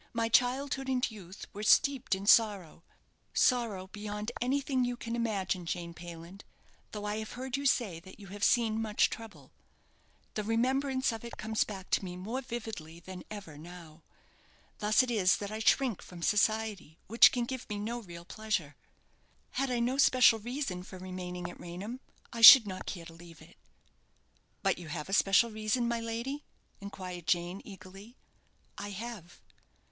"My childhood and youth were steeped in sorrow sorrow beyond anything you can imagine, Jane Payland; though I have heard you say that you have seen much trouble. The remembrance of it comes back to me more vividly than ever now. Thus it is that I shrink from society, which can give me no real pleasure. Had I no special reason for remaining at Raynham, I should not care to leave it" "But you have a special reason, my lady?" inquired Jane, eagerly. "I have."